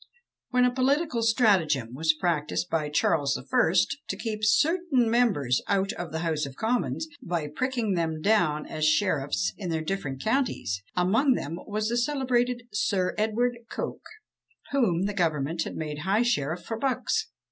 When a political stratagem was practised by Charles the First to keep certain members out of the House of Commons, by pricking them down as sheriffs in their different counties, among them was the celebrated Sir Edward Coke, whom the government had made High Sheriff for Bucks.